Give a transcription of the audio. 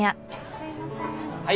はい。